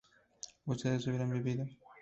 ustedes hubieran vivido